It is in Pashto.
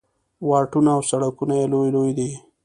واټونه او سړکونه یې لوی لوی دي.